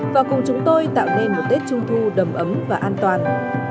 và cùng chúng tôi tạo nên một tết trung thu đầm ấm và an toàn